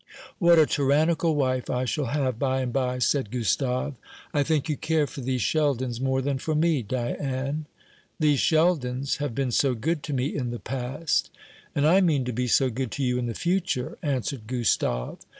"What a tyrannical wife I shall have by and by!" said Gustave. "I think you care for these Sheldons more than for me, Diane." "These Sheldons have been so good to me in the past." "And I mean to be so good to you in the future," answered Gustave.